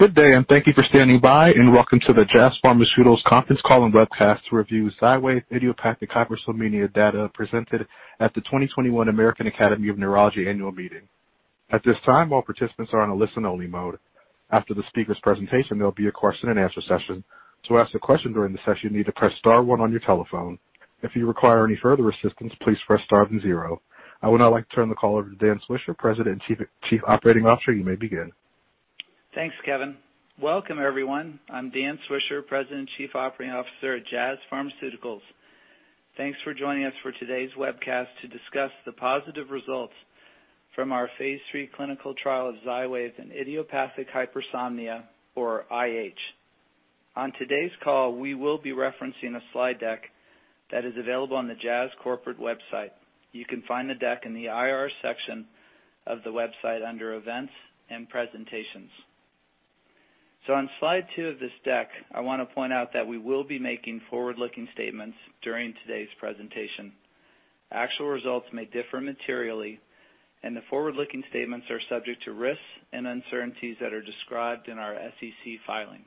Good day, and thank you for standing by, and welcome to the Jazz Pharmaceuticals Conference Call and Webcast to review Phase III idiopathic hypersomnia data presented at the 2021 American Academy of Neurology Annual Meeting. At this time, all participants are on a listen-only mode. After the speaker's presentation, there will be a question-and-answer session. To ask a question during the session, you need to press star one on your telephone. If you require any further assistance, please press star and zero. I would now like to turn the call over to Dan Swisher, President and Chief Operating Officer. You may begin. Thanks, Kevin. Welcome, everyone. I'm Dan Swisher, President and Chief Operating Officer at Jazz Pharmaceuticals. Thanks for joining us for today's webcast to discuss the positive results from our phase III clinical trial of Xywav and idiopathic hypersomnia, or IH. On today's call, we will be referencing a slide deck that is available on the Jazz Corporate website. You can find the deck in the IR section of the website under Events and Presentations. So, on slide two of this deck, I want to point out that we will be making forward-looking statements during today's presentation. Actual results may differ materially, and the forward-looking statements are subject to risks and uncertainties that are described in our SEC filing.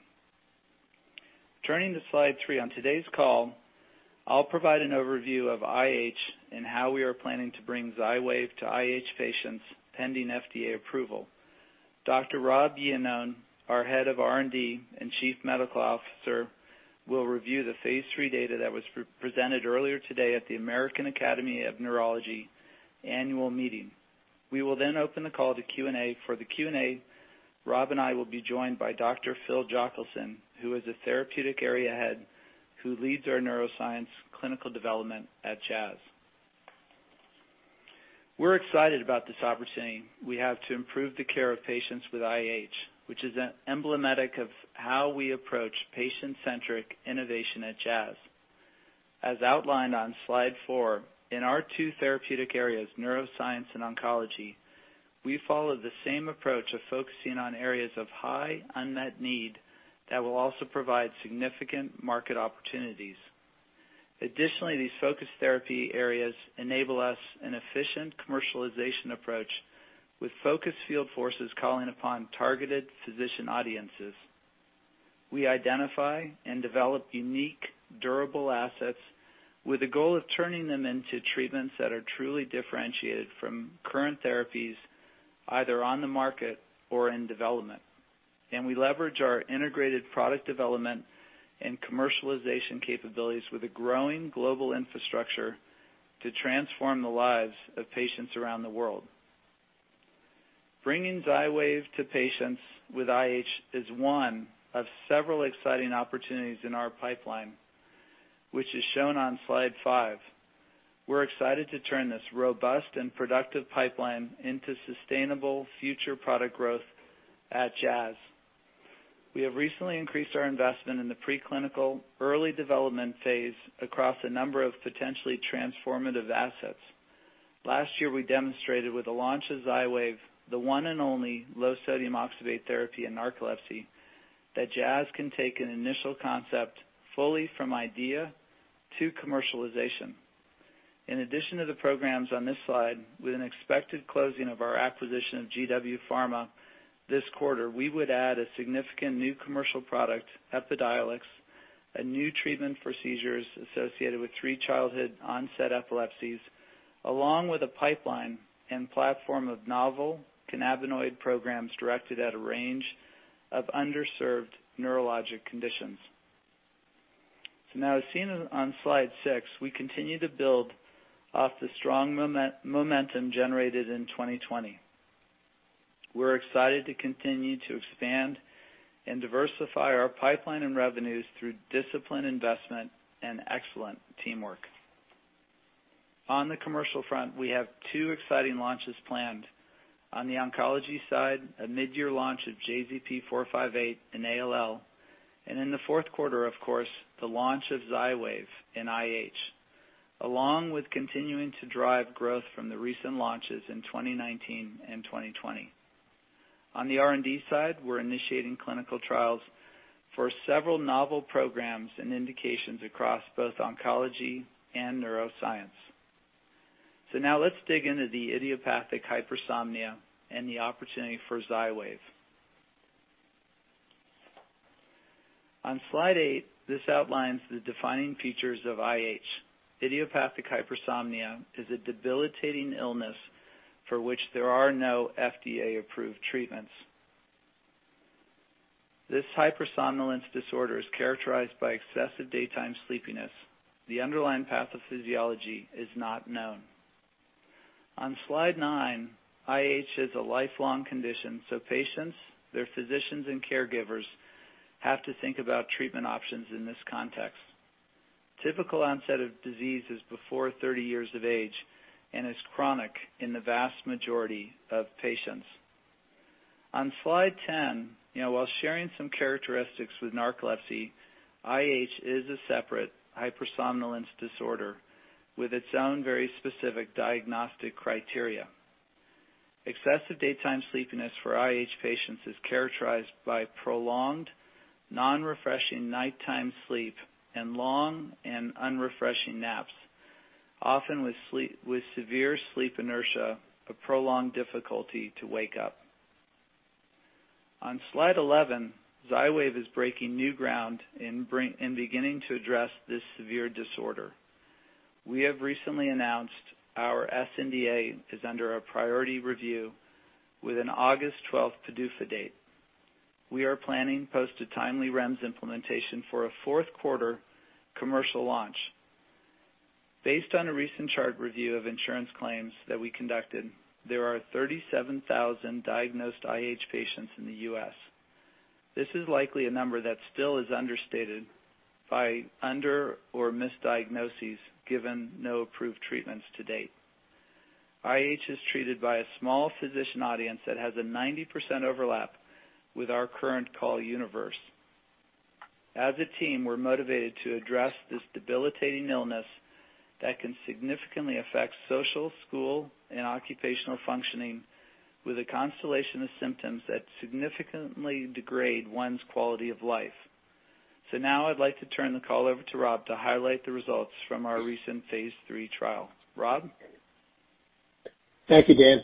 Turning to slide three on today's call, I'll provide an overview of IH and how we are planning to bring Xywav to IH patients pending FDA approval. Dr. Rob Iannone, our Head of R&D and Chief Medical Officer, will review the phase III data that was presented earlier today at the American Academy of Neurology Annual Meeting. We will then open the call to Q&A. For the Q&A, Rob and I will be joined by Dr. Phil Jochelson, who is a Therapeutic Area Head who leads our neuroscience clinical development at Jazz. We're excited about this opportunity we have to improve the care of patients with IH, which is emblematic of how we approach patient-centric innovation at Jazz. As outlined on slide four, in our two therapeutic areas, neuroscience and oncology, we follow the same approach of focusing on areas of high unmet need that will also provide significant market opportunities. Additionally, these focused therapy areas enable us an efficient commercialization approach with focused field forces calling upon targeted physician audiences. We identify and develop unique, durable assets with a goal of turning them into treatments that are truly differentiated from current therapies, either on the market or in development, and we leverage our integrated product development and commercialization capabilities with a growing global infrastructure to transform the lives of patients around the world. Bringing Xywav to patients with IH is one of several exciting opportunities in our pipeline, which is shown on slide five. We're excited to turn this robust and productive pipeline into sustainable future product growth at Jazz. We have recently increased our investment in the preclinical early development phase across a number of potentially transformative assets. Last year, we demonstrated with the launch of Xywav, the one and only low-sodium oxybate therapy in narcolepsy, that Jazz can take an initial concept fully from idea to commercialization. In addition to the programs on this slide, with an expected closing of our acquisition of GW Pharma this quarter, we would add a significant new commercial product, Epidiolex, a new treatment for seizures associated with three childhood-onset epilepsies, along with a pipeline and platform of novel cannabinoid programs directed at a range of underserved neurologic conditions. So now, as seen on slide six, we continue to build off the strong momentum generated in 2020. We're excited to continue to expand and diversify our pipeline and revenues through disciplined investment and excellent teamwork. On the commercial front, we have two exciting launches planned. On the oncology side, a mid-year launch of JZP458 in ALL, and in the fourth quarter, of course, the launch of Xywav in IH, along with continuing to drive growth from the recent launches in 2019 and 2020. On the R&D side, we're initiating clinical trials for several novel programs and indications across both oncology and neuroscience. So now, let's dig into the idiopathic hypersomnia and the opportunity for Xywav. On slide eight, this outlines the defining features of IH. Idiopathic hypersomnia is a debilitating illness for which there are no FDA-approved treatments. This hypersomnolence disorder is characterized by excessive daytime sleepiness. The underlying pathophysiology is not known. On slide nine, IH is a lifelong condition, so patients, their physicians, and caregivers have to think about treatment options in this context. Typical onset of disease is before 30 years of age and is chronic in the vast majority of patients. On slide 10, while sharing some characteristics with narcolepsy, IH is a separate hypersomnolence disorder with its own very specific diagnostic criteria. Excessive daytime sleepiness for IH patients is characterized by prolonged, non-refreshing nighttime sleep and long and unrefreshing naps, often with severe sleep inertia, a prolonged difficulty to wake up. On slide 11, Xywav is breaking new ground in beginning to address this severe disorder. We have recently announced our sNDA is under a priority review with an August 12th PDUFA date. We are planning a timely REMS implementation for a fourth quarter commercial launch. Based on a recent chart review of insurance claims that we conducted, there are 37,000 diagnosed IH patients in the U.S. This is likely a number that still is understated by under- or misdiagnoses given no approved treatments to date. IH is treated by a small physician audience that has a 90% overlap with our current call universe. As a team, we're motivated to address this debilitating illness that can significantly affect social, school, and occupational functioning with a constellation of symptoms that significantly degrade one's quality of life. So now, I'd like to turn the call over to Rob to highlight the results from our recent phase III trial. Rob? Thank you, Dan.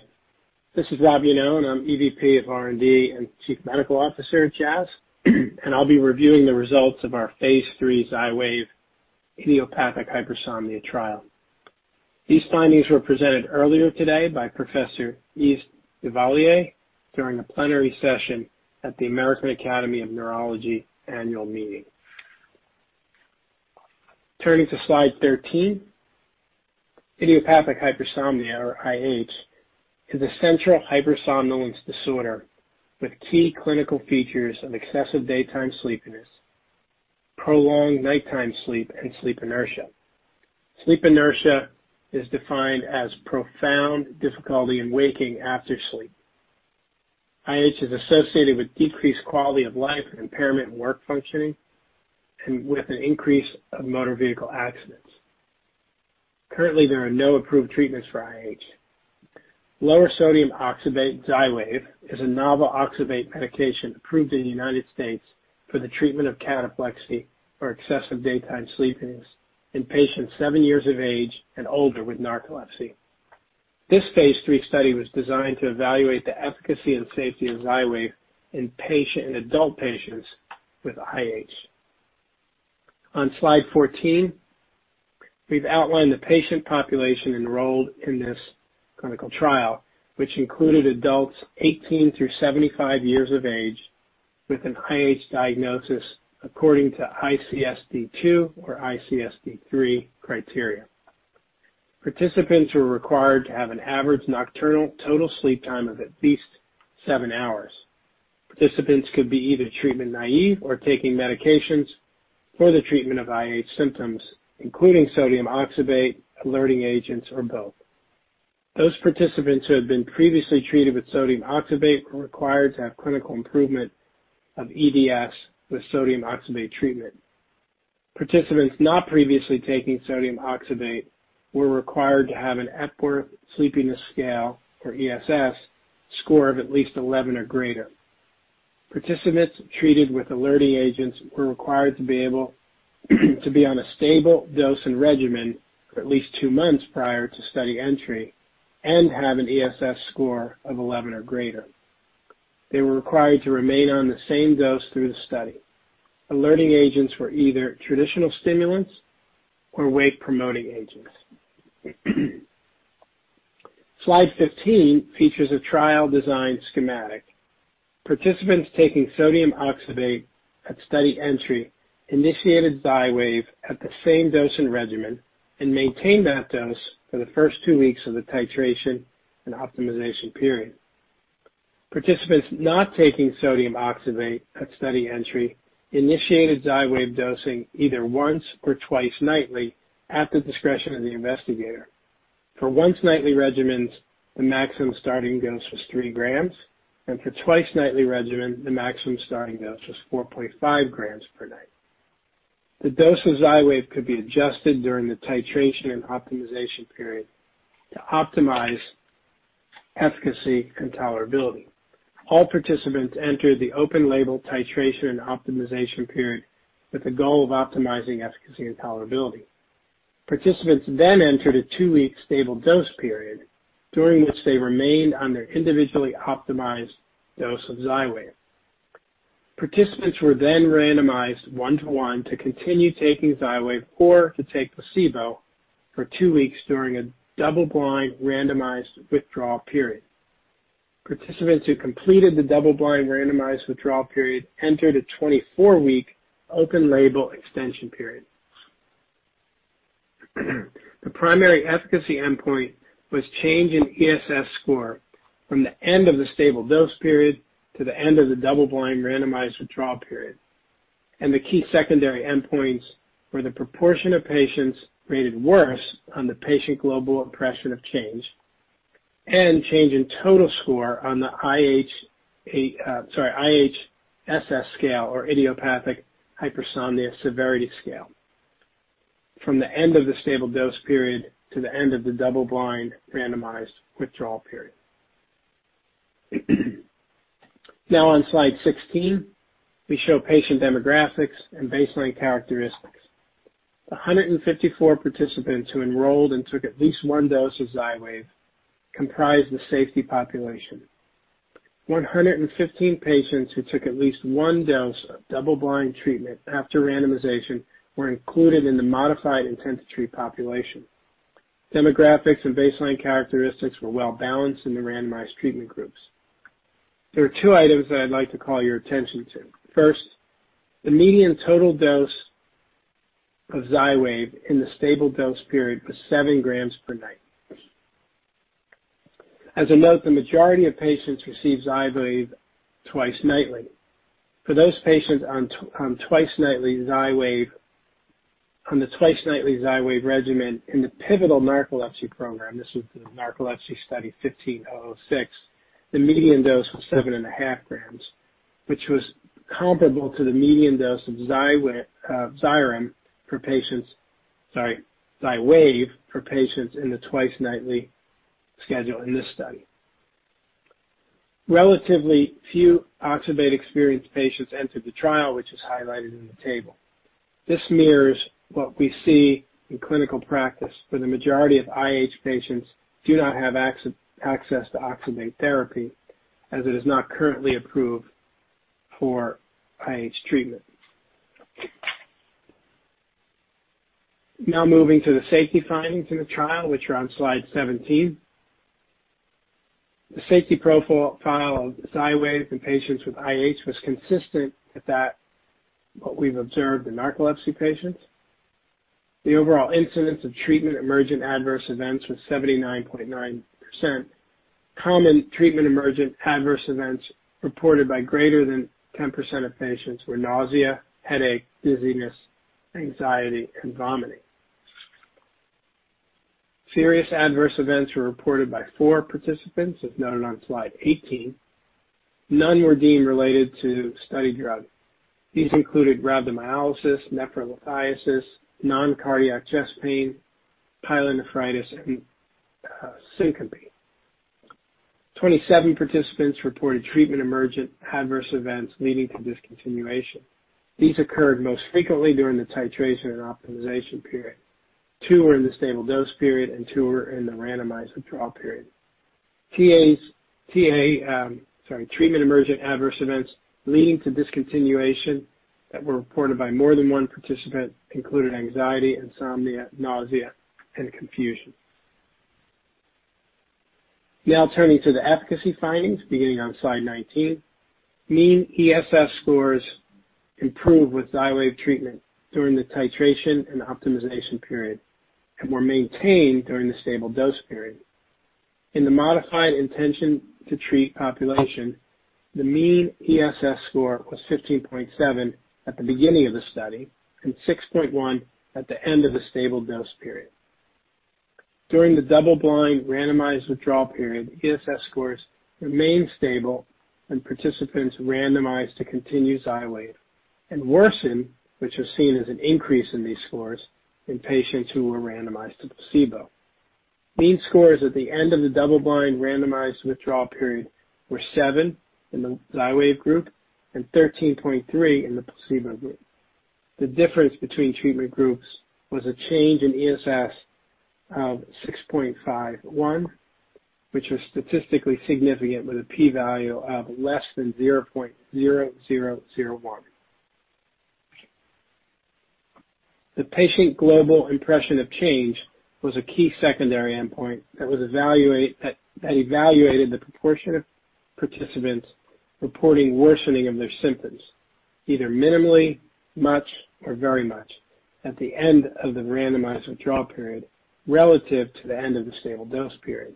This is Rob Iannone. I'm EVP of R&D and Chief Medical Officer at Jazz, and I'll be reviewing the results of our phase III Xywav idiopathic hypersomnia trial. These findings were presented earlier today by Professor Yves Dauvilliers during a plenary session at the American Academy of Neurology Annual Meeting. Turning to slide 13, idiopathic hypersomnia, or IH, is a central hypersomnolence disorder with key clinical features of excessive daytime sleepiness, prolonged nighttime sleep, and sleep inertia. Sleep inertia is defined as profound difficulty in waking after sleep. IH is associated with decreased quality of life, impairment in work functioning, and with an increase of motor vehicle accidents. Currently, there are no approved treatments for IH. Lower-sodium oxybate Xywav is a novel oxybate medication approved in the United States for the treatment of cataplexy or excessive daytime sleepiness in patients seven years of age and older with narcolepsy. This phase III study was designed to evaluate the efficacy and safety of Xywav in patient and adult patients with IH. On slide 14, we've outlined the patient population enrolled in this clinical trial, which included adults 18 through 75 years of age with an IH diagnosis according to ICSD2 or ICSD3 criteria. Participants were required to have an average nocturnal total sleep time of at least seven hours. Participants could be either treatment naive or taking medications for the treatment of IH symptoms, including sodium oxybate, alerting agents, or both. Those participants who had been previously treated with sodium oxybate were required to have clinical improvement of EDS with sodium oxybate treatment. Participants not previously taking sodium oxybate were required to have an Epworth Sleepiness Scale, or ESS, score of at least 11 or greater. Participants treated with alerting agents were required to be able to be on a stable dose and regimen for at least two months prior to study entry and have an ESS score of 11 or greater. They were required to remain on the same dose through the study. Alerting agents were either traditional stimulants or weight-promoting agents. Slide fifteen features a trial design schematic. Participants taking sodium oxybate at study entry initiated Xywav at the same dose and regimen and maintained that dose for the first two weeks of the titration and optimization period. Participants not taking sodium oxybate at study entry initiated Xywav dosing either once or twice nightly at the discretion of the investigator. For once-nightly regimens, the maximum starting dose was three grams, and for twice-nightly regimen, the maximum starting dose was 4.5 grams per night. The dose of Xywav could be adjusted during the titration and optimization period to optimize efficacy and tolerability. All participants entered the open-label titration and optimization period with the goal of optimizing efficacy and tolerability. Participants then entered a two-week stable dose period during which they remained on their individually optimized dose of Xywav. Participants were then randomized one-to-one to continue taking Xywav or to take placebo for two weeks during a double-blind randomized withdrawal period. Participants who completed the double-blind randomized withdrawal period entered a 24-week open-label extension period. The primary efficacy endpoint was change in ESS score from the end of the stable dose period to the end of the double-blind randomized withdrawal period. And the key secondary endpoints were the proportion of patients rated worse on the Patient Global Impression of Change and change in total score on the IHSS scale, or Idiopathic Hypersomnia Severity Scale, from the end of the stable dose period to the end of the double-blind randomized withdrawal period. Now, on slide 16, we show patient demographics and baseline characteristics. 154 participants who enrolled and took at least one dose of Xywav comprised the safety population. 115 patients who took at least one dose of double-blind treatment after randomization were included in the modified intent to treat population. Demographics and baseline characteristics were well balanced in the randomized treatment groups. There are two items that I'd like to call your attention to. First, the median total dose of Xywav in the stable dose period was seven grams per night. As a note, the majority of patients received Xywav twice nightly. For those patients on twice nightly Xywav, on the twice nightly Xywav regimen in the pivotal narcolepsy program, this was the narcolepsy study 1506, the median dose was seven and a half grams, which was comparable to the median dose of Xyrem for patients, sorry, Xywav for patients in the twice nightly schedule in this study. Relatively few oxybate-experienced patients entered the trial, which is highlighted in the table. This mirrors what we see in clinical practice where the majority of IH patients do not have access to oxybate therapy as it is not currently approved for IH treatment. Now, moving to the safety findings in the trial, which are on slide 17. The safety profile of Xywav in patients with IH was consistent with that of what we've observed in narcolepsy patients. The overall incidence of treatment emergent adverse events was 79.9%. Common treatment emergent adverse events reported by greater than 10% of patients were nausea, headache, dizziness, anxiety, and vomiting. Serious adverse events were reported by four participants, as noted on slide 18. None were deemed related to study drug. These included rhabdomyolysis, nephrolithiasis, noncardiac chest pain, pyelonephritis, and syncope. 27 participants reported treatment emergent adverse events leading to discontinuation. These occurred most frequently during the titration and optimization period. two were in the stable dose period and two were in the randomized withdrawal period. Treatment emergent adverse events leading to discontinuation that were reported by more than one participant included anxiety, insomnia, nausea, and confusion. Now, turning to the efficacy findings, beginning on slide 19. Mean ESS scores improved with Xywav treatment during the titration and optimization period and were maintained during the stable dose period. In the modified intent-to-treat population, the mean ESS score was 15.7 at the beginning of the study and 6.1 at the end of the stable dose period. During the double-blind randomized withdrawal period, ESS scores remained stable when participants randomized to continue Xywav and worsened, which was seen as an increase in these scores in patients who were randomized to placebo. Mean scores at the end of the double-blind randomized withdrawal period were seven in the Xywav group and 13.3 in the placebo group. The difference between treatment groups was a change in ESS of 6.51, which was statistically significant with a p-value of less than 0.0001. The Patient Global Impression of Change was a key secondary endpoint that evaluated the proportion of participants reporting worsening of their symptoms, either minimally, much, or very much at the end of the randomized withdrawal period relative to the end of the stable dose period.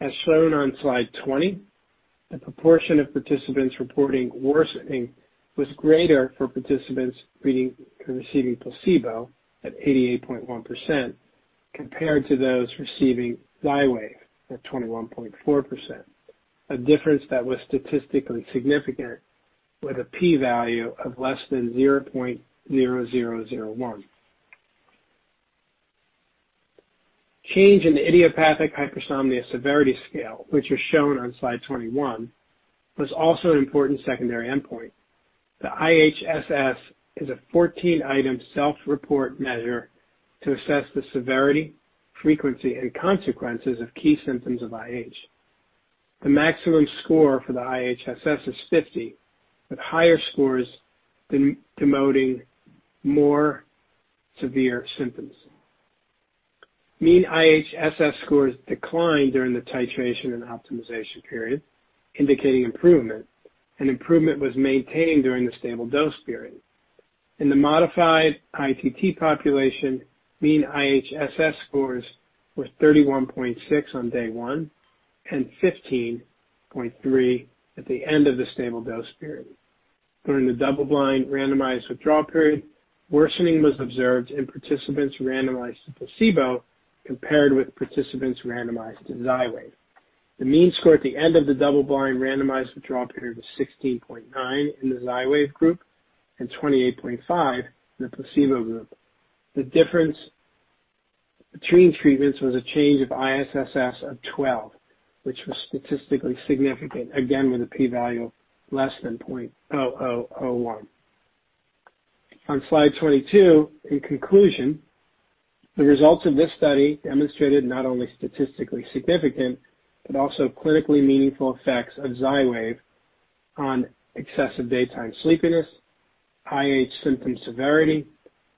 As shown on slide 20, the proportion of participants reporting worsening was greater for participants receiving placebo at 88.1% compared to those receiving Xywav at 21.4%, a difference that was statistically significant with a p-value of less than 0.0001. Change in the Idiopathic Hypersomnia Severity Scale, which was shown on slide 21, was also an important secondary endpoint. The IHSS is a 14-item self-report measure to assess the severity, frequency, and consequences of key symptoms of IH. The maximum score for the IHSS is 50, with higher scores denoting more severe symptoms. Mean IHSS scores declined during the titration and optimization period, indicating improvement, and improvement was maintained during the stable dose period. In the modified ITT population, mean IHSS scores were 31.6 on day one and 15.3 at the end of the stable dose period. During the double-blind randomized withdrawal period, worsening was observed in participants randomized to placebo compared with participants randomized to Xywav. The mean score at the end of the double-blind randomized withdrawal period was 16.9 in the Xywav group and 28.5 in the placebo group. The difference between treatments was a change of IHSS of twelve, which was statistically significant, again with a p-value of less than 0.0001. On slide 22, in conclusion, the results of this study demonstrated not only statistically significant but also clinically meaningful effects of Xywav on excessive daytime sleepiness, IH symptom severity,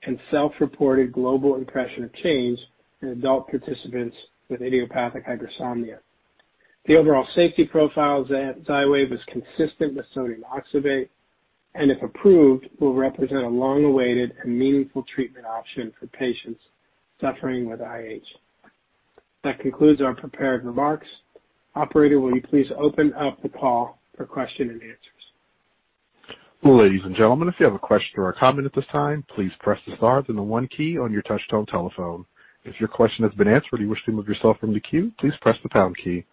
and self-reported global impression of change in adult participants with idiopathic hypersomnia. The overall safety profile of Xywav is consistent with sodium oxybate and, if approved, will represent a long-awaited and meaningful treatment option for patients suffering with IH. That concludes our prepared remarks. Operator, will you please open up the call for questions and answers? Well, ladies and gentlemen, if you have a question or a comment at this time, please press the stars and the one key on your touch-tone telephone. If your question has been answered or you wish to move yourself from the queue, please press the pound key.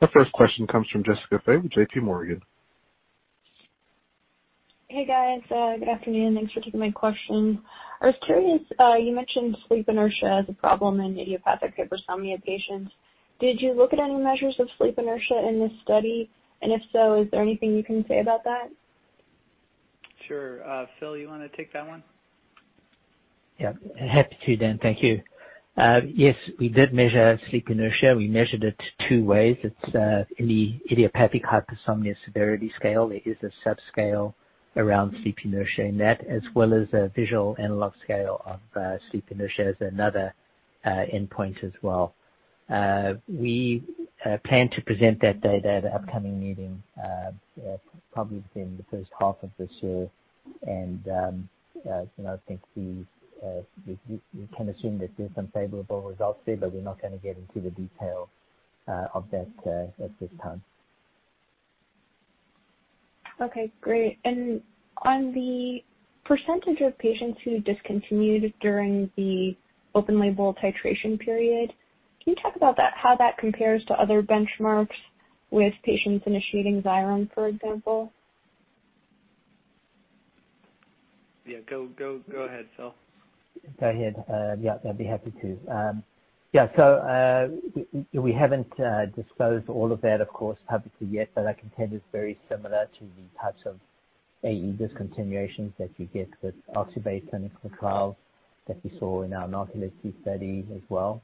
Our first question comes from Jessica Fye with J.P. Morgan. Hey, guys. Good afternoon. Thanks for taking my question. I was curious, you mentioned Sleep Inertia as a problem in Idiopathic Hypersomnia patients. Did you look at any measures of Sleep Inertia in this study? And if so, is there anything you can say about that? Sure. Phil, you want to take that one? Yeah. Happy to, Dan. Thank you. Yes, we did measure Sleep Inertia. We measured it two ways. It's in the Idiopathic Hypersomnia Severity Scale. It is a subscale around Sleep Inertia in that, as well as a Visual Analog Scale of Sleep Inertia as another endpoint as well. We plan to present that data at an upcoming meeting, probably within the first half of this year. And I think we can assume that there's some favorable results there, but we're not going to get into the detail of that at this time. Okay. Great. And on the percentage of patients who discontinued during the open-label titration period, can you talk about how that compares to other benchmarks with patients initiating Xyrem, for example? Yeah. Go ahead, Phil. Go ahead. Yeah. I'd be happy to. Yeah. So we haven't disclosed all of that, of course, publicly yet, but I can tell it's very similar to the types of AE discontinuations that you get with oxybates and clonazepam that we saw in our narcolepsy study as well.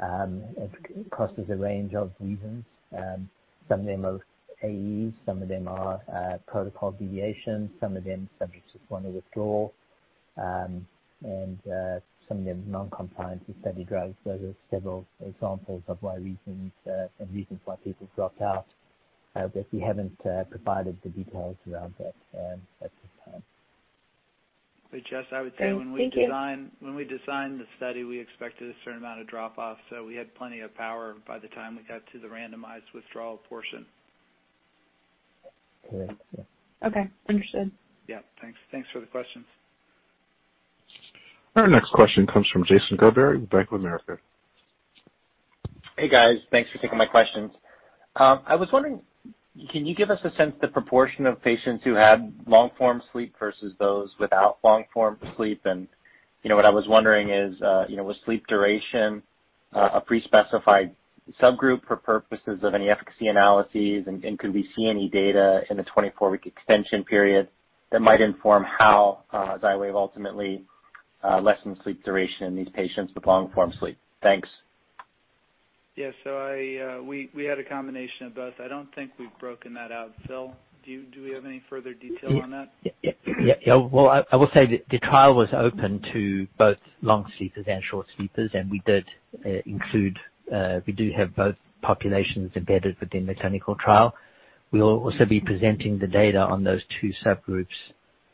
It crosses a range of reasons. Some of them are AEs. Some of them are protocol deviations. Some of them are subject withdrawal. And some of them are noncompliance with study drugs, where there are several examples of reasons and reasons why people dropped out. But we haven't provided the details around that at this time. But Jess, I would say when we designed the study, we expected a certain amount of drop-off, so we had plenty of power by the time we got to the randomized withdrawal portion. Correct. Yeah. Okay. Understood. Yeah. Thanks. Thanks for the questions. Our next question comes from Jason Gerberry with Bank of America. Hey, guys. Thanks for taking my questions. I was wondering, can you give us a sense of the proportion of patients who had long-form sleep versus those without long-form sleep? And what I was wondering is, was sleep duration a pre-specified subgroup for purposes of any efficacy analyses? And could we see any data in the 24-week extension period that might inform how Xywav ultimately lessened sleep duration in these patients with long-form sleep? Thanks. Yeah. So we had a combination of both. I don't think we've broken that out. Phil, do we have any further detail on that? Yeah. Yeah. Yeah. Well, I will say the trial was open to both long sleepers and short sleepers, and we did include we do have both populations embedded within the clinical trial. We'll also be presenting the data on those two subgroups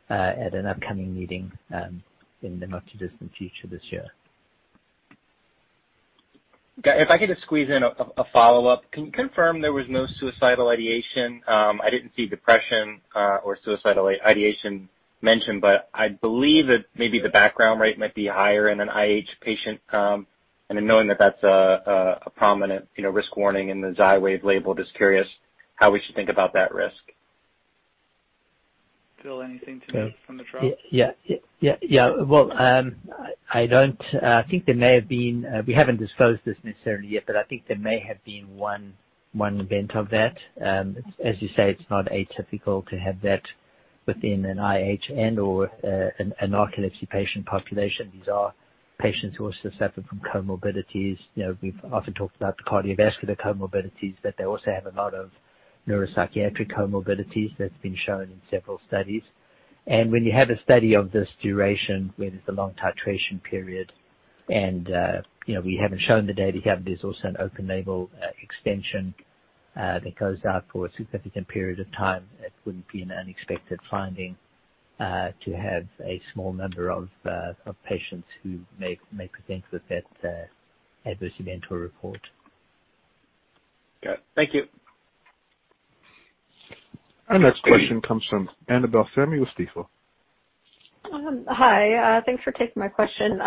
at an upcoming meeting in the not-too-distant future this year. Okay. If I could just squeeze in a follow-up, can you confirm there was no suicidal ideation? I didn't see depression or suicidal ideation mentioned, but I believe that maybe the background rate might be higher in an IH patient. And then knowing that that's a prominent risk warning in the Xywav label, just curious how we should think about that risk. Phil, anything to note from the trial? Yeah. Yeah. Yeah. Yeah. I think there may have been. We haven't disclosed this necessarily yet, but I think there may have been one event of that. As you say, it's not atypical to have that within an IH and/or a narcolepsy patient population. These are patients who also suffer from comorbidities. We've often talked about the cardiovascular comorbidities, but they also have a lot of neuropsychiatric comorbidities that's been shown in several studies. And when you have a study of this duration, where there's a long titration period and we haven't shown the data, yet there's also an open-label extension that goes out for a significant period of time, it wouldn't be an unexpected finding to have a small number of patients who may present with that adverse event or report. Okay. Thank you. Our next question comes from Annabel Samimy with Stifel. Hi. Thanks for taking my question.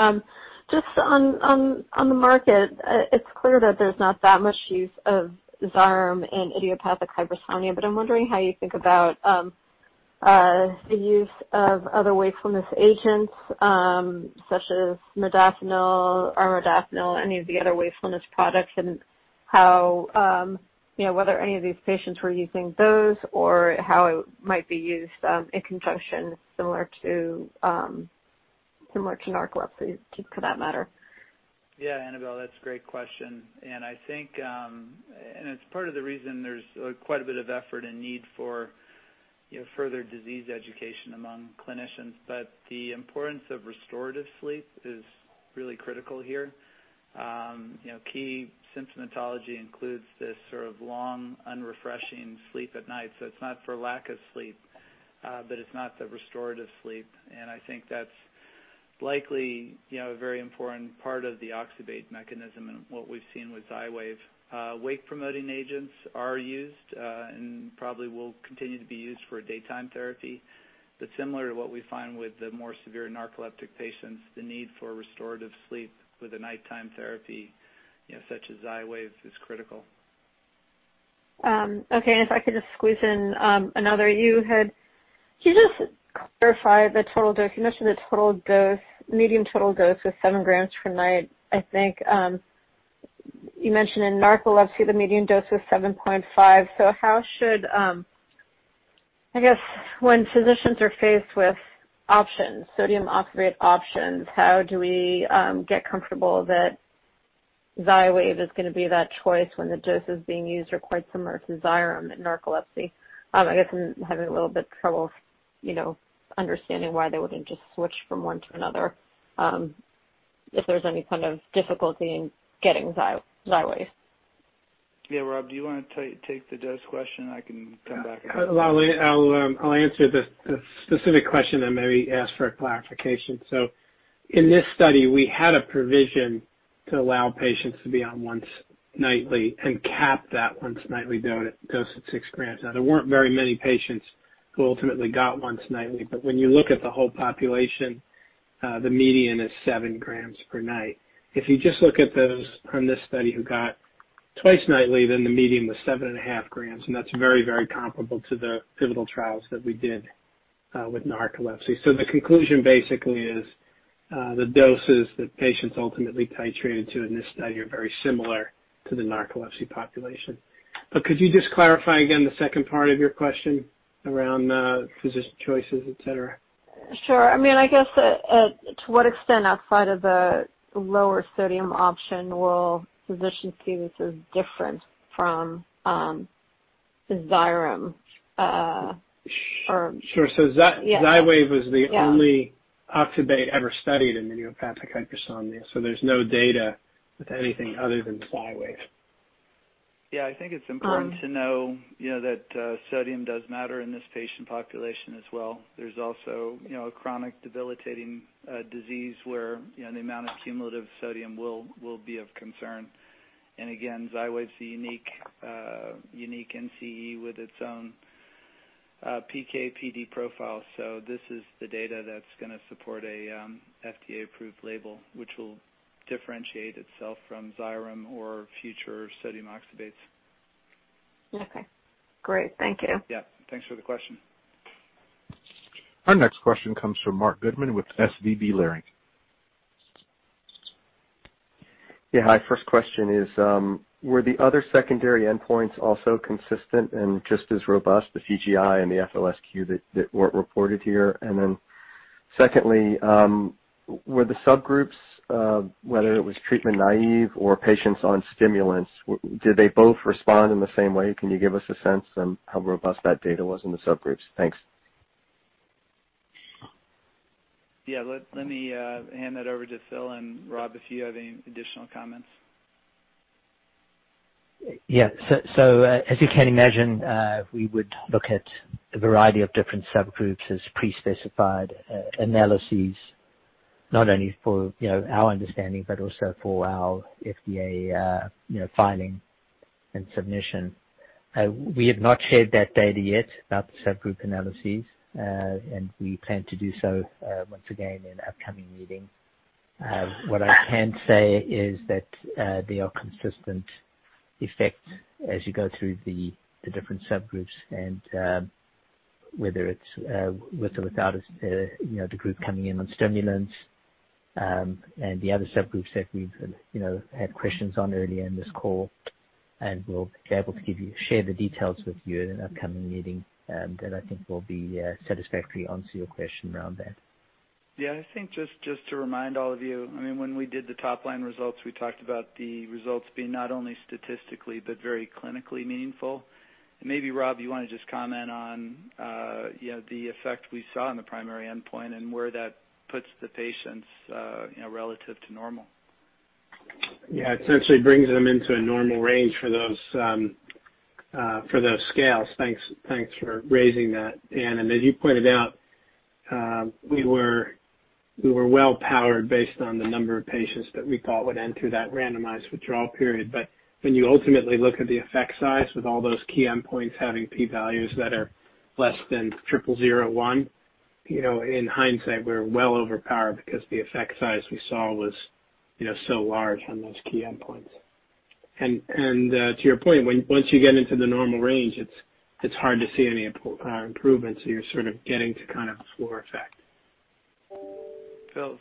Just on the market, it's clear that there's not that much use of Xyrem in idiopathic hypersomnia, but I'm wondering how you think about the use of other wakefulness agents such as modafinil, armodafinil, any of the other wakefulness products, and whether any of these patients were using those or how it might be used in conjunction similar to narcolepsy for that matter? Yeah. Annabel, that's a great question. And I think, and it's part of the reason there's quite a bit of effort and need for further disease education among clinicians, but the importance of restorative sleep is really critical here. Key symptomatology includes this sort of long, unrefreshing sleep at night. So it's not for lack of sleep, but it's not the restorative sleep. And I think that's likely a very important part of the oxybate mechanism and what we've seen with Xywav. Wake-promoting agents are used and probably will continue to be used for daytime therapy, but similar to what we find with the more severe narcoleptic patients, the need for restorative sleep with a nighttime therapy such as Xywav is critical. Okay, and if I could just squeeze in another, you had. Can you just clarify the total dose? You mentioned the total dose, median total dose was seven grams per night. I think you mentioned in narcolepsy the median dose was 7.5, so how should, I guess when physicians are faced with options, sodium oxybate options, how do we get comfortable that Xywav is going to be that choice when the dose is being used required similar to Xyrem in narcolepsy? I guess I'm having a little bit of trouble understanding why they wouldn't just switch from one to another if there's any kind of difficulty in getting Xywav. Yeah. Rob, do you want to take the judge question? I can come back and answer it. I'll answer the specific question and maybe ask for a clarification. So in this study, we had a provision to allow patients to be on once nightly and cap that once nightly dose at six grams. Now, there weren't very many patients who ultimately got once nightly, but when you look at the whole population, the median is seven grams per night. If you just look at those from this study who got twice nightly, then the median was seven and a half grams. And that's very, very comparable to the pivotal trials that we did with narcolepsy. So the conclusion basically is the doses that patients ultimately titrated to in this study are very similar to the narcolepsy population. But could you just clarify again the second part of your question around physician choices, etc.? Sure. I mean, I guess to what extent outside of the lower sodium option will physicians see this as different from Xyrem or? Sure. So Xywav was the only oxybate ever studied in idiopathic hypersomnia. So there's no data with anything other than Xywav. Yeah. I think it's important to know that sodium does matter in this patient population as well. There's also a chronic debilitating disease where the amount of cumulative sodium will be of concern. And again, Xywav's a unique NCE with its own PK/PD profile. So this is the data that's going to support an FDA-approved label, which will differentiate itself from Xyrem or future sodium oxybates. Okay. Great. Thank you. Yeah. Thanks for the question. Our next question comes from Marc Goodman with SVB Leerink. Yeah. Hi. First question is, were the other secondary endpoints also consistent and just as robust, the CGI and the FOSQ that were reported here? And then secondly, were the subgroups, whether it was treatment naive or patients on stimulants, did they both respond in the same way? Can you give us a sense of how robust that data was in the subgroups? Thanks. Yeah. Let me hand that over to Phil and Rob if you have any additional comments. Yeah. So as you can imagine, we would look at a variety of different subgroups as pre-specified analyses, not only for our understanding but also for our FDA filing and submission. We have not shared that data yet about the subgroup analyses, and we plan to do so once again in an upcoming meeting. What I can say is that they are consistent effects as you go through the different subgroups, and whether it's with or without the group coming in on stimulants and the other subgroups that we've had questions on earlier in this call, and we'll be able to share the details with you in an upcoming meeting that I think will satisfactorily answer your question around that. Yeah. I think just to remind all of you, I mean, when we did the top-line results, we talked about the results being not only statistically but very clinically meaningful, and maybe, Rob, you want to just comment on the effect we saw in the primary endpoint and where that puts the patients relative to normal. Yeah. It essentially brings them into a normal range for those scales. Thanks for raising that. And as you pointed out, we were well-powered based on the number of patients that we thought would enter that randomized withdrawal period. But when you ultimately look at the effect size with all those key endpoints having P-values that are less than 0.001, in hindsight, we're well overpowered because the effect size we saw was so large on those key endpoints. And to your point, once you get into the normal range, it's hard to see any improvement. So you're sort of getting to kind of a floor effect.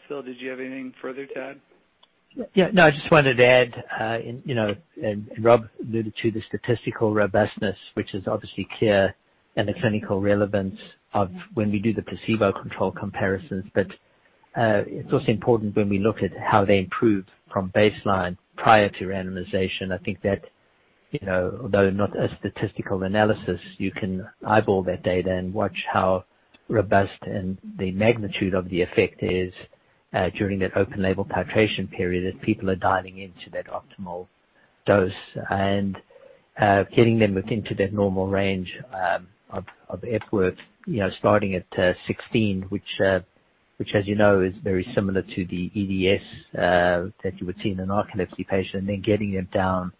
Phil, did you have anything further to add? Yeah. No. I just wanted to add, and Rob alluded to the statistical robustness, which is obviously clear in the clinical relevance of when we do the placebo control comparisons. But it's also important when we look at how they improve from baseline prior to randomization. I think that although not a statistical analysis, you can eyeball that data and watch how robust and the magnitude of the effect is during that open-label titration period as people are dialing into that optimal dose and getting them within to that normal range of effort starting at 16, which, as you know, is very similar to the ESS that you would see in a narcolepsy patient, and then getting them down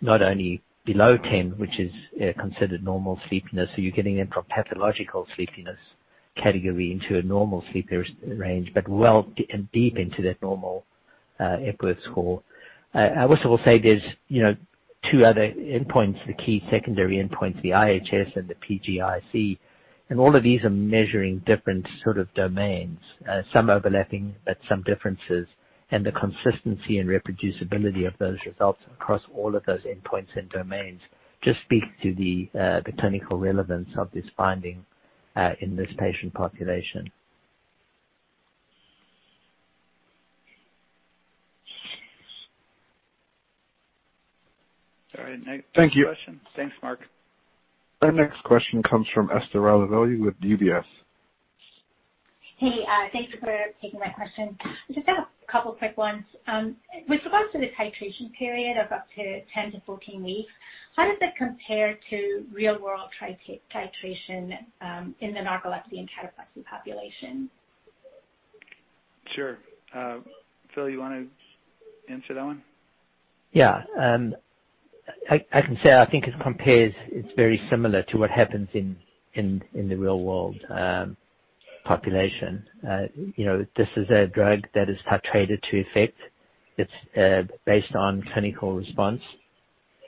not only below 10, which is considered normal sleepiness. So you're getting them from pathological sleepiness category into a normal sleep range, but well and deep into that normal Epworth score. I also will say there's two other endpoints, the key secondary endpoints, the IHSS and the PGIC. All of these are measuring different sort of domains, some overlapping but some differences. The consistency and reproducibility of those results across all of those endpoints and domains just speaks to the clinical relevance of this finding in this patient population. All right. Thank you. Thanks, Marc. Our next question comes from Esther Rajavelu with UBS. Hey. Thank you for taking that question. Just a couple of quick ones. With regards to the titration period of up to 10-14 weeks, how does that compare to real-world titration in the narcolepsy and cataplexy population? Sure. Phil, you want to answer that one? Yeah. I can say I think it compares. It's very similar to what happens in the real-world population. This is a drug that is titrated to effect. It's based on clinical response.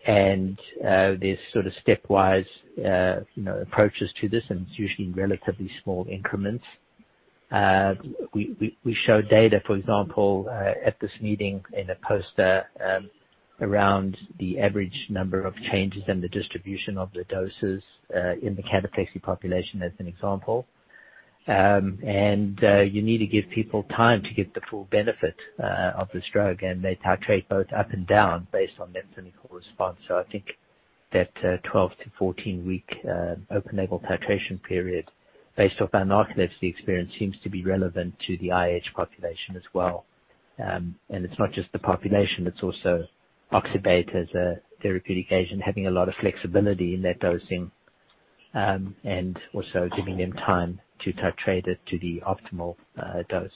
And there's sort of stepwise approaches to this, and it's usually in relatively small increments. We showed data, for example, at this meeting in a poster around the average number of changes in the distribution of the doses in the cataplexy population as an example. And you need to give people time to get the full benefit of this drug. And they titrate both up and down based on that clinical response. So I think that 12- to 14-week open-label titration period based off our narcolepsy experience seems to be relevant to the IH population as well. And it's not just the population; it's also oxybate as a therapeutic agent having a lot of flexibility in that dosing and also giving them time to titrate it to the optimal dose.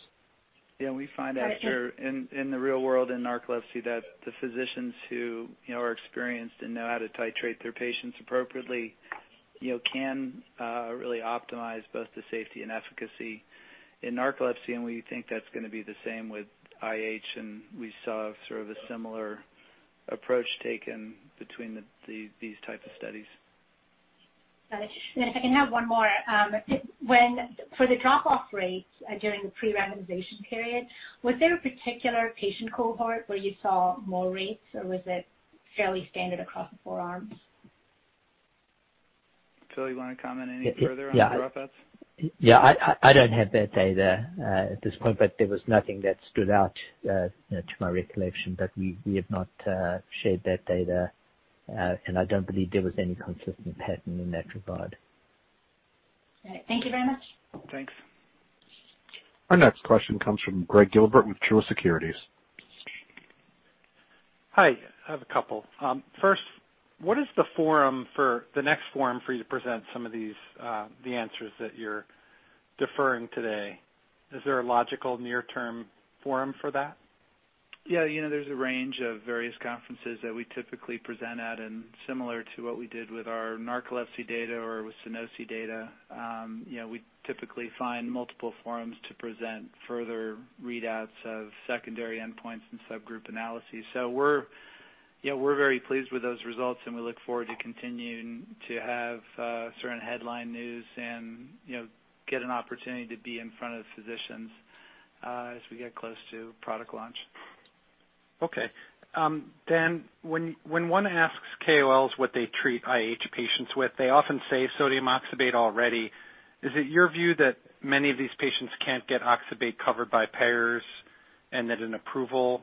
Yeah. And we find after in the real world in narcolepsy that the physicians who are experienced and know how to titrate their patients appropriately can really optimize both the safety and efficacy in narcolepsy. And we think that's going to be the same with IH. And we saw sort of a similar approach taken between these types of studies. Got it. And if I can have one more, for the drop-off rates during the pre-randomization period, was there a particular patient cohort where you saw more rates, or was it fairly standard across the four arms? Phil, you want to comment any further on the drop-offs? Yeah. I don't have that data at this point, but there was nothing that stood out to my recollection. But we have not shared that data. And I don't believe there was any consistent pattern in that regard. All right. Thank you very much. Thanks. Our next question comes from Greg Gilbert with Truist Securities. Hi. I have a couple. First, what is the next forum for you to present some of the answers that you're deferring today? Is there a logical near-term forum for that? Yeah. There's a range of various conferences that we typically present at, and similar to what we did with our narcolepsy data or with IH data. We typically find multiple forums to present further readouts of secondary endpoints and subgroup analyses. So we're very pleased with those results, and we look forward to continuing to have certain headline news and get an opportunity to be in front of physicians as we get close to product launch. Okay. Dan, when one asks KOLs what they treat IH patients with, they often say sodium oxybate already. Is it your view that many of these patients can't get oxybate covered by payers and that an approval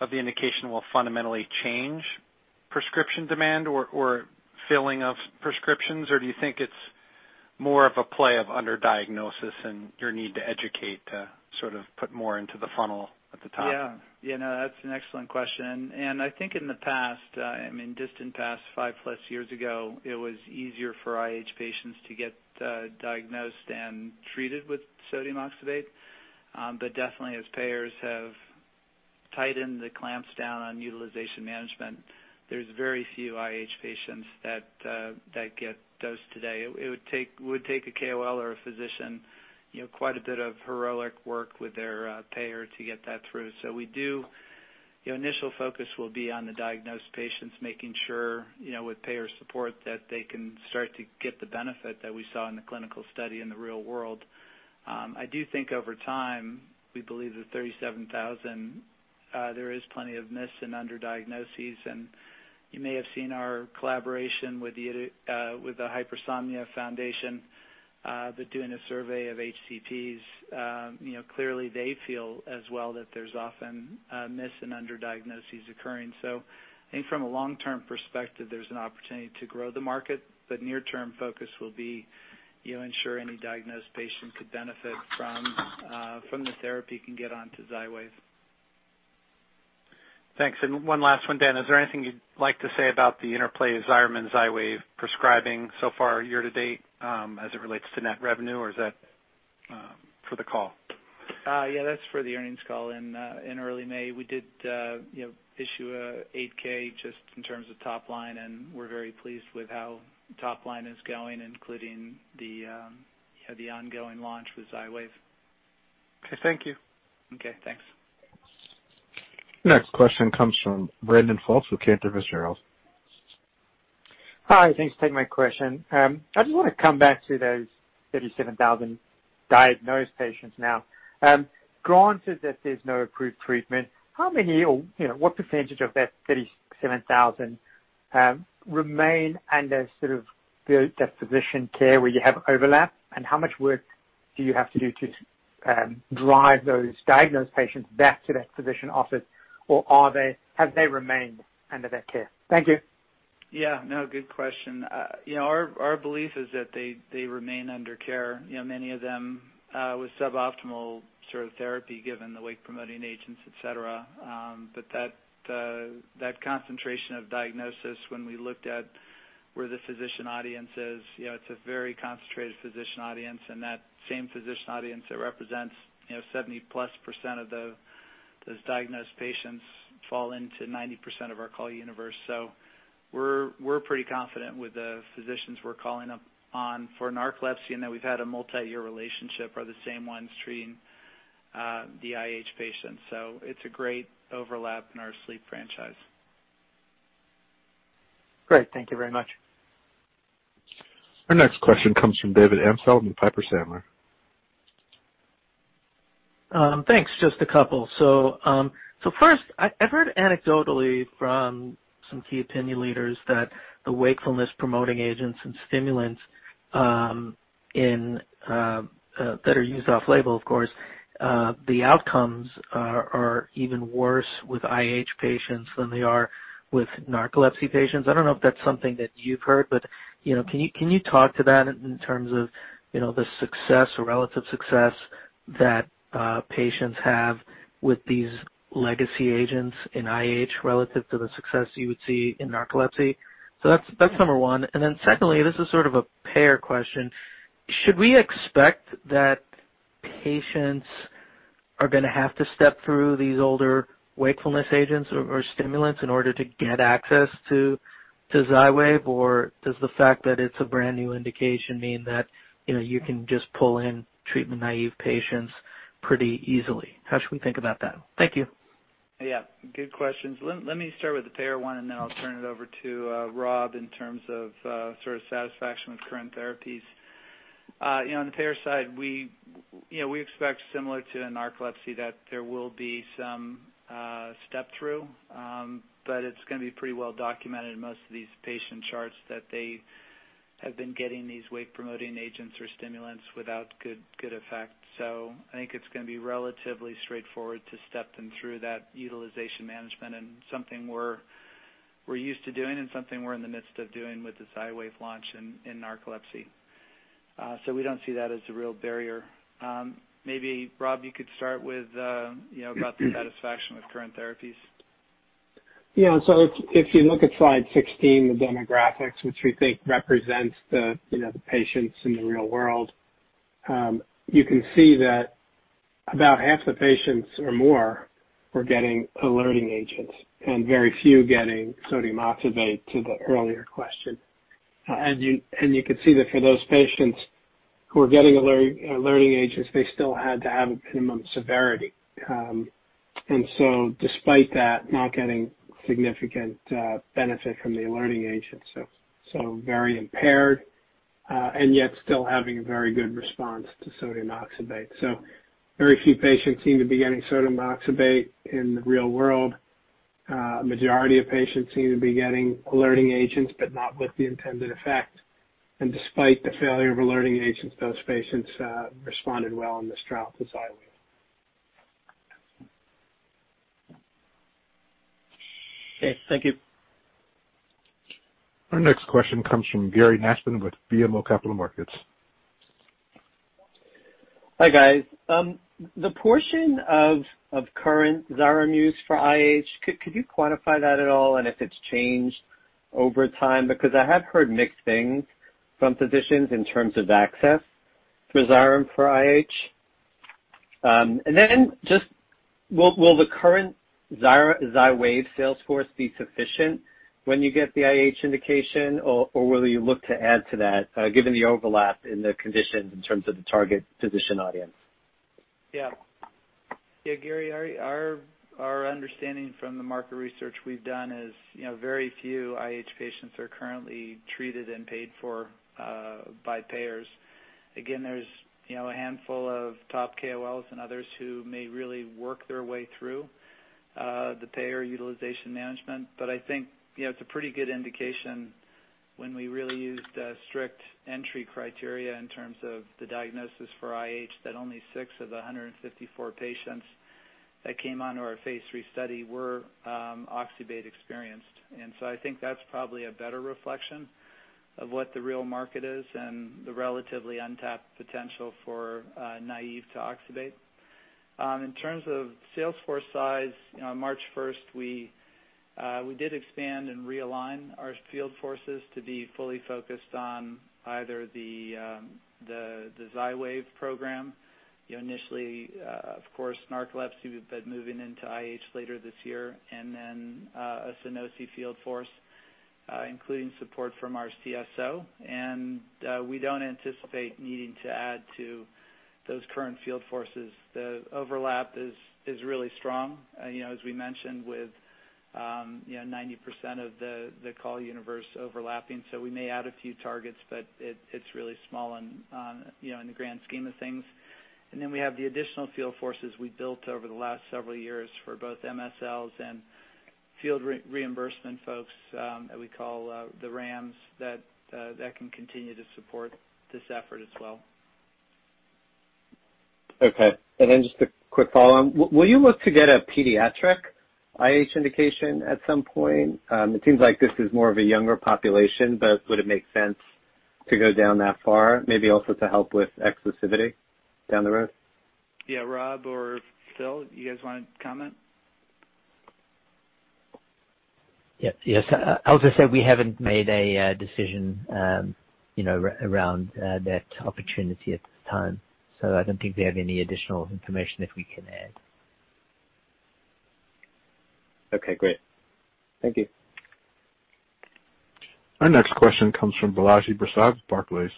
of the indication will fundamentally change prescription demand or filling of prescriptions, or do you think it's more of a play of underdiagnosis and your need to educate to sort of put more into the funnel at the top? Yeah. Yeah. No. That's an excellent question, and I think in the past, I mean, distant past, five-plus years ago, it was easier for IH patients to get diagnosed and treated with sodium oxybate, but definitely, as payers have tightened the clamps down on utilization management, there's very few IH patients that get dosed today. It would take a KOL or a physician quite a bit of heroic work with their payer to get that through. So initial focus will be on the diagnosed patients, making sure with payer support that they can start to get the benefit that we saw in the clinical study in the real world. I do think over time, we believe the 37,000; there is plenty of mis- and underdiagnoses. And you may have seen our collaboration with the Hypersomnia Foundation. But doing a survey of HCPs, clearly, they feel as well that there's often mis- and underdiagnoses occurring. So I think from a long-term perspective, there's an opportunity to grow the market. But near-term focus will be ensure any diagnosed patient could benefit from the therapy can get onto Xywav. Thanks. And one last one, Dan. Is there anything you'd like to say about the interplay of Xyrem and Xywav prescribing so far, year to date, as it relates to net revenue, or is that for the call? Yeah. That's for the earnings call in early May. We did issue an 8K just in terms of top-line, and we're very pleased with how top-line is going, including the ongoing launch with Xywav. Okay. Thank you. Okay. Thanks. Next question comes from Brandon Folkes with Cantor Fitzgerald. Hi. Thanks for taking my question. I just want to come back to those 37,000 diagnosed patients now. Given that there's no approved treatment, how many or what percentage of that 37,000 remain under sort of the physician care where you have overlap? And how much work do you have to do to drive those diagnosed patients back to that physician office, or have they remained under that care? Thank you. Yeah. No. Good question. Our belief is that they remain under care, many of them with suboptimal sort of therapy given the wakefulness-promoting agents, etc. But that concentration of diagnosis, when we looked at where the physician audience is, it's a very concentrated physician audience. And that same physician audience that represents 70-plus% of those diagnosed patients fall into 90% of our call universe. So we're pretty confident with the physicians we're calling upon for narcolepsy, and that we've had a multi-year relationship or the same ones treating the IH patients. So it's a great overlap in our sleep franchise. Great. Thank you very much. Our next question comes from David Amsellem with Piper Sandler. Thanks. Just a couple. So first, I've heard anecdotally from some key opinion leaders that the wakefulness-promoting agents and stimulants that are used off-label, of course, the outcomes are even worse with IH patients than they are with narcolepsy patients. I don't know if that's something that you've heard, but can you talk to that in terms of the success or relative success that patients have with these legacy agents in IH relative to the success you would see in narcolepsy? So that's number one. And then secondly, this is sort of a payer question. Should we expect that patients are going to have to step through these older wakefulness agents or stimulants in order to get access to Xywav, or does the fact that it's a brand new indication mean that you can just pull in treatment-naive patients pretty easily? How should we think about that? Thank you. Yeah. Good questions. Let me start with the payer one, and then I'll turn it over to Rob in terms of sort of satisfaction with current therapies. On the payer side, we expect similar to in narcolepsy that there will be some step-through. But it's going to be pretty well-documented in most of these patient charts that they have been getting these wake-promoting agents or stimulants without good effect. So I think it's going to be relatively straightforward to step them through that utilization management and something we're used to doing and something we're in the midst of doing with the Xywav launch in narcolepsy. So we don't see that as a real barrier. Maybe, Rob, you could start with about the satisfaction with current therapies. Yeah. So if you look at slide 16, the demographics, which we think represents the patients in the real world, you can see that about half the patients or more were getting alerting agents and very few getting sodium oxybate to the earlier question. You could see that for those patients who were getting alerting agents, they still had to have a minimum severity. And so despite that, not getting significant benefit from the alerting agents, so very impaired and yet still having a very good response to sodium oxybate. Very few patients seem to be getting sodium oxybate in the real world. A majority of patients seem to be getting alerting agents but not with the intended effect. And despite the failure of alerting agents, those patients responded well on this trial to Xywav. Okay. Thank you. Our next question comes from Gary Nachman with BMO Capital Markets. Hi, guys. The portion of current Xyrem use for IH, could you quantify that at all and if it's changed over time? Because I have heard mixed things from physicians in terms of access for Xyrem for IH. And then just will the current Xywav sales force be sufficient when you get the IH indication, or will you look to add to that given the overlap in the conditions in terms of the target physician audience? Yeah. Yeah. Gary, our understanding from the market research we've done is very few IH patients are currently treated and paid for by payers. Again, there's a handful of top KOLs and others who may really work their way through the payer utilization management. But I think it's a pretty good indication when we really used strict entry criteria in terms of the diagnosis for IH that only six of the 154 patients that came onto our phase 3 study were oxybate experienced. And so I think that's probably a better reflection of what the real market is and the relatively untapped potential for naive to oxybate. In terms of sales force size, on March 1st, we did expand and realign our field forces to be fully focused on either the Xywav program, initially, of course, narcolepsy, but moving into IH later this year, and then an oncology field force, including support from our CSO. And we don't anticipate needing to add to those current field forces. The overlap is really strong, as we mentioned, with 90% of the call universe overlapping. So we may add a few targets, but it's really small in the grand scheme of things. And then we have the additional field forces we built over the last several years for both MSLs and field reimbursement folks that we call the RAMs that can continue to support this effort as well. Okay. And then just a quick follow-up. Will you look to get a pediatric IH indication at some point? It seems like this is more of a younger population, but would it make sense to go down that far, maybe also to help with exclusivity down the road? Yeah. Rob or Phil, you guys want to comment? Yes. I'll just say we haven't made a decision around that opportunity at this time. So I don't think we have any additional information that we can add. Okay. Great. Thank you. Our next question comes from Balaji Prasad with Barclays.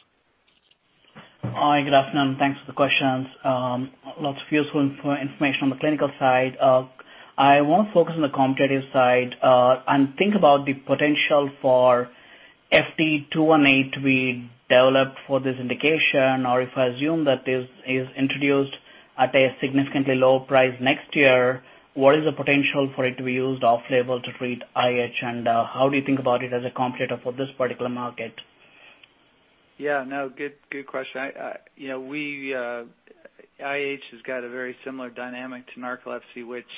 Hi. Good afternoon. Thanks for the questions. Lots of useful information on the clinical side. I want to focus on the quantitative side and think about the potential for FT218 to be developed for this indication, or if I assume that this is introduced at a significantly low price next year, what is the potential for it to be used off-label to treat IH? And how do you think about it as a quantitative for this particular market? Yeah. No. Good question. IH has got a very similar dynamic to narcolepsy, which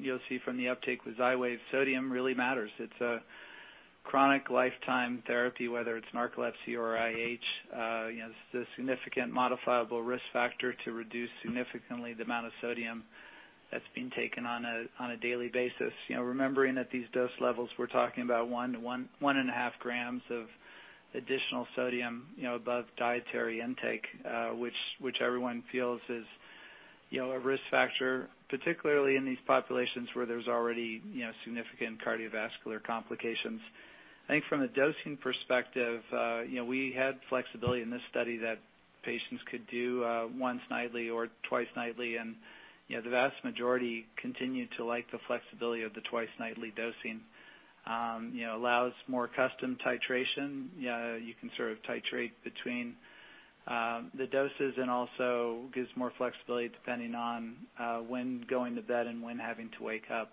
you'll see from the uptake with Xywav. Sodium really matters. It's a chronic lifetime therapy, whether it's narcolepsy or IH. It's a significant modifiable risk factor to reduce significantly the amount of sodium that's being taken on a daily basis. Remembering that these dose levels, we're talking about one to 1.5 grams of additional sodium above dietary intake, which everyone feels is a risk factor, particularly in these populations where there's already significant cardiovascular complications. I think from a dosing perspective, we had flexibility in this study that patients could do once nightly or twice nightly. And the vast majority continued to like the flexibility of the twice nightly dosing. It allows more custom titration. You can sort of titrate between the doses and also gives more flexibility depending on when going to bed and when having to wake up.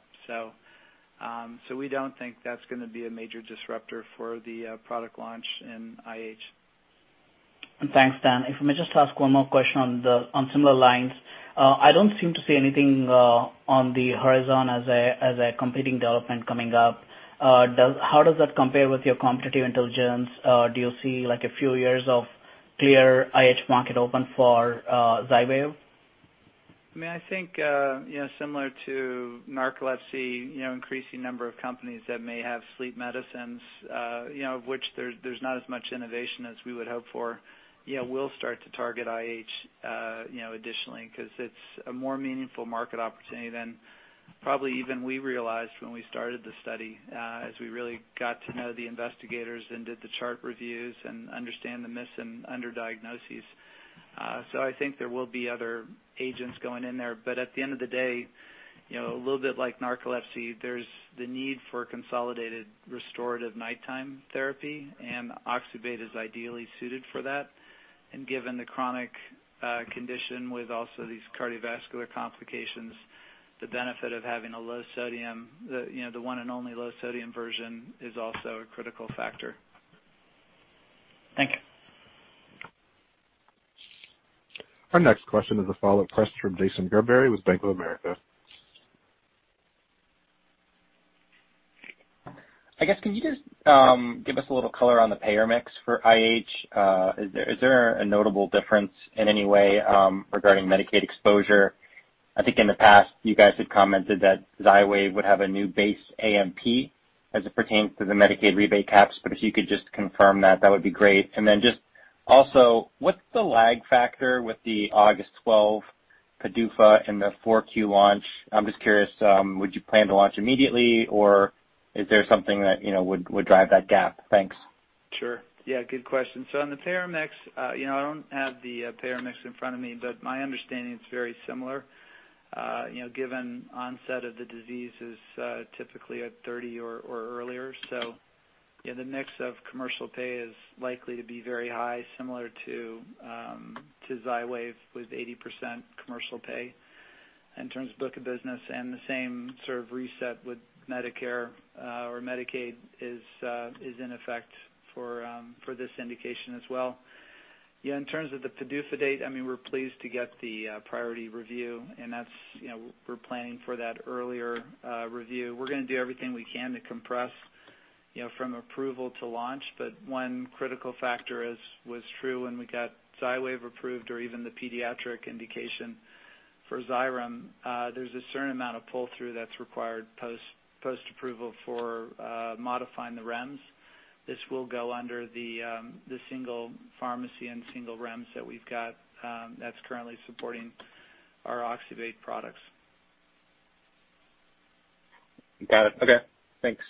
So we don't think that's going to be a major disruptor for the product launch in IH. Thanks, Dan. If I may just ask one more question on similar lines. I don't seem to see anything on the horizon as a competing development coming up. How does that compare with your quantitative intelligence? Do you see a few years of clear IH market open for Xywav? I mean, I think similar to narcolepsy, increasing number of companies that may have sleep medicines, of which there's not as much innovation as we would hope for, will start to target IH additionally because it's a more meaningful market opportunity than probably even we realized when we started the study as we really got to know the investigators and did the chart reviews and understand the mis- and underdiagnoses. So I think there will be other agents going in there. But at the end of the day, a little bit like narcolepsy, there's the need for consolidated restorative nighttime therapy, and oxybate is ideally suited for that. And given the chronic condition with also these cardiovascular complications, the benefit of having a low sodium, the one and only low sodium version, is also a critical factor. Thank you. Our next question is a follow-up question from Jason Gerberry with Bank of America. I guess, can you just give us a little color on the payer mix for IH? Is there a notable difference in any way regarding Medicaid exposure? I think in the past, you guys had commented that Xywav would have a new base AMP as it pertains to the Medicaid rebate caps. But if you could just confirm that, that would be great. And then just also, what's the lag factor with the August 12th PDUFA and the 4Q launch? I'm just curious. Would you plan to launch immediately, or is there something that would drive that gap? Thanks. Sure. Yeah. Good question. So on the payer mix, I don't have the payer mix in front of me, but my understanding is very similar given onset of the disease is typically at 30 or earlier. So the mix of commercial pay is likely to be very high, similar to Xywav with 80% commercial pay in terms of book of business. And the same sort of reset with Medicare or Medicaid is in effect for this indication as well. In terms of the PDUFA date, I mean, we're pleased to get the priority review, and we're planning for that earlier review. We're going to do everything we can to compress from approval to launch. But one critical factor was true when we got Xywav approved or even the pediatric indication for Xyrem. There's a certain amount of pull-through that's required post-approval for modifying the REMS. This will go under the single pharmacy and single REMS that we've got that's currently supporting our oxybate products. Got it. Okay. Thanks.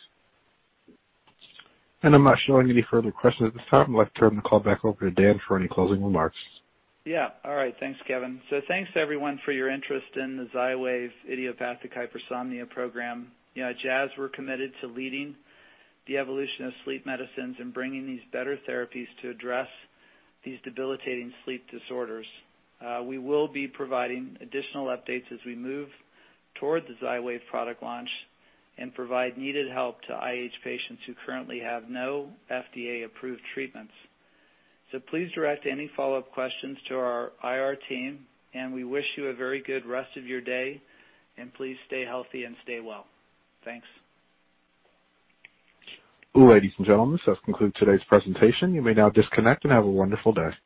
And I'm not showing any further questions at this time. I'd like to turn the call back over to Dan for any closing remarks. Yeah. All right. Thanks, Kevin, so thanks to everyone for your interest in the Xywav Idiopathic Hypersomnia Program. Jazz, we're committed to leading the evolution of sleep medicines and bringing these better therapies to address these debilitating sleep disorders. We will be providing additional updates as we move toward the Xywav product launch and provide needed help to IH patients who currently have no FDA-approved treatments. So please direct any follow-up questions to our IR team, and we wish you a very good rest of your day, and please stay healthy and stay well. Thanks. Ladies and gentlemen, this does conclude today's presentation. You may now disconnect and have a wonderful day.